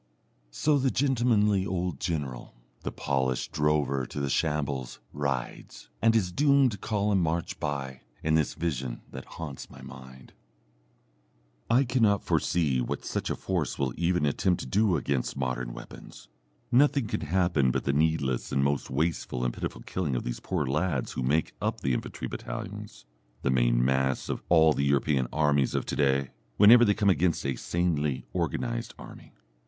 So the gentlemanly old general the polished drover to the shambles rides, and his doomed column march by, in this vision that haunts my mind. I cannot foresee what such a force will even attempt to do, against modern weapons. Nothing can happen but the needless and most wasteful and pitiful killing of these poor lads, who make up the infantry battalions, the main mass of all the European armies of to day, whenever they come against a sanely organized army.